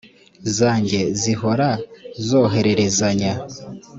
zanjye zihora zohererezanya